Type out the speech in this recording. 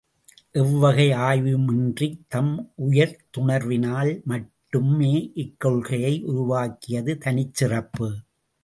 எவ்வகை ஆய்வுமின்றித் தம் உய்த்துணர்வினால் மட்டுமே இக்கொள்கையை உருவாக்கியது தனிச் சிறப்பு.